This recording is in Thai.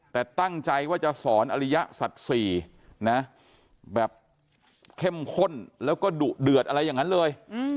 แต่ตั้งใจว่าจะสอนอริยสัตว์ศรีนะแบบเข้มข้นแล้วก็ดุเดือดอะไรอย่างนั้นเลย